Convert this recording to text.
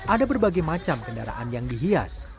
ada berbagai macam kendaraan yang dihias